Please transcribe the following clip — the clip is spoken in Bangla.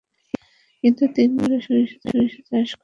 কিন্তু তিন বছর ধরে সরিষা চাষ করে আলুর চেয়ে বেশি লাভ হয়েছেন।